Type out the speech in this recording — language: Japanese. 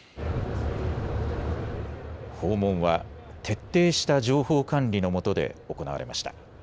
訪問は徹底した情報管理のもとで行われました。